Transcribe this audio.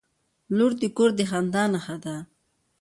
• لور د کور د خندا نښه ده.